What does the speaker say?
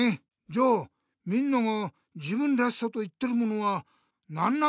じゃあみんなが「自分らしさ」と言ってるものは何なんだろう？